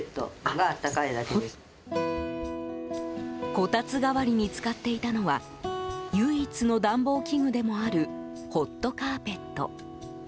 こたつ代わりに使っていたのは唯一の暖房器具でもあるホットカーペット。